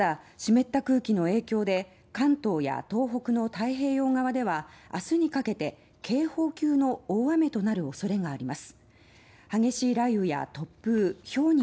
ただ、湿った空気の影響で関東や東北の太平洋側ではあすにかけて警報級の大雨となるおそれがあります。